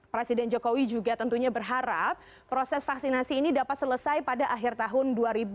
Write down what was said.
presiden jokowi juga tentunya berharap proses vaksinasi ini dapat selesai pada akhir tahun dua ribu dua puluh